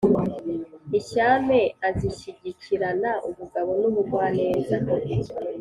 Inshyame azishyigikirana ubugabo n’ ubugwaneza;